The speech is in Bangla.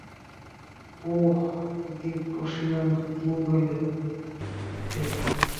ও ইজিপশিয়ান কিং দলের ছিল।